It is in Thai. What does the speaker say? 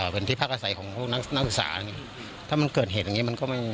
พื้นที่ภาคอาศัยของพวกนักนักอุตสาห์ถ้ามันเกิดเหตุอย่างงี้มันก็ไม่